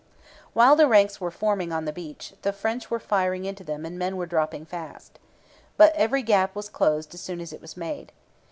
While the ranks were forming on the beach, the French were firing into them and men were dropping fast. But every gap was closed as soon as it was made.